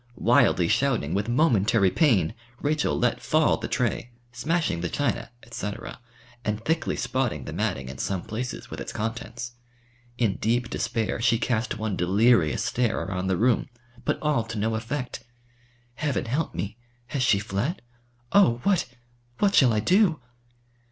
Wildly shouting with momentary pain, Rachel let fall the tray, smashing the china, &c., and thickly spotting the matting in some places with its contents. In deep despair she cast one delirious stare around the room, but all to no effect. Heaven help me! has she fled? Oh, what! what shall I do?